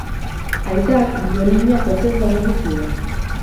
Aitak biolina jotzen lagundu zion.